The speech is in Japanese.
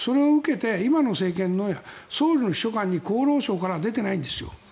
それを受けて、今の政権の総理秘書官に厚労省から出てない。